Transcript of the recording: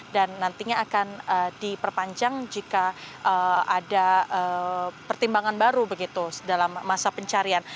nantinya akan diperpanjang jika ada pertimbangan baru begitu dalam masa pencarian